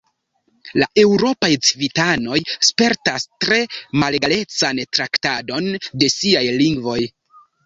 La eŭropaj civitanoj spertas tre malegalecan traktadon de siaj lingvoj.